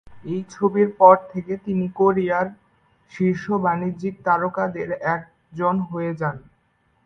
এই ছবির পর থেকে তিনি কোরিয়ার শীর্ষ বাণিজ্যিক তারকাদের একজন হয়ে যান।